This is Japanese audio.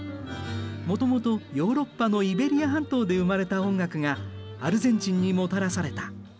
もともとヨーロッパのイベリア半島で生まれた音楽がアルゼンチンにもたらされた。